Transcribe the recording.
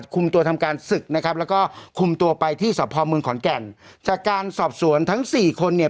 คุมตัวทำการศึกนะครับแล้วก็คุมตัวไปที่สพเมืองขอนแก่นจากการสอบสวนทั้งสี่คนเนี่ย